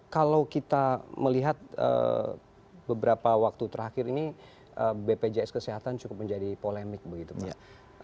kalau kita melihat beberapa waktu terakhir ini bpjs kesehatan cukup menjadi polemik begitu pak